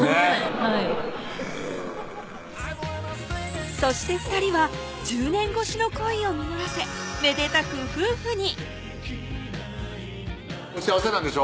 はいへぇそして２人は１０年越しの恋を実らせめでたく夫婦にお幸せなんでしょ？